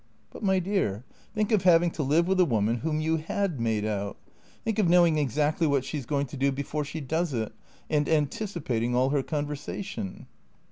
" But, my dear, think of having to live with a woman whom you had made out. Think of knowing exactly what she 's going to do before she does it, and anticipating all her conversation